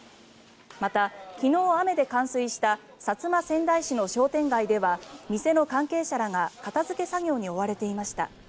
また、昨日、雨で冠水した薩摩川内市の商店街では店の関係者らが片付け作業に追われていました。